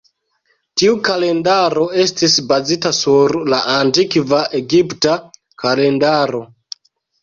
Tiu kalendaro estis bazita sur la antikva Egipta kalendaro.